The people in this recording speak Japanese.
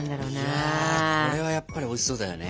いやこれはやっぱりおいしそうだよね。